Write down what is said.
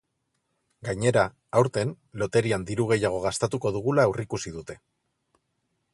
Gainera, aurten, loterian diru gehiago gastatuko dugula aurrikusi dute.